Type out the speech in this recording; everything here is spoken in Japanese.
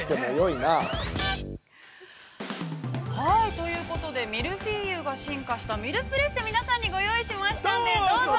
◆ということで、ミルフーユが進化したミルプレッセを皆さんにご用意しましたので、どうぞ。